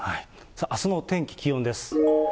あすの天気、気温です。